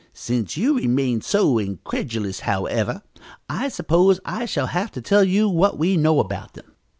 Since you remain so incredulous, however, I suppose I shall have to tell you what we know about them."